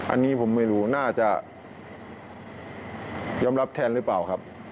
อันนี้ผมไม่รู้น่าจะยอมรับแทนหรือเปล่าครับ